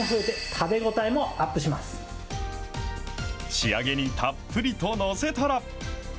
仕上げにたっぷりと載せたら。